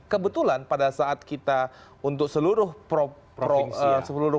kebetulan pada saat kita untuk seluruh provinsi